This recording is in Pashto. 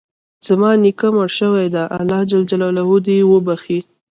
زما نیکه مړ شوی ده، الله ج د وبښي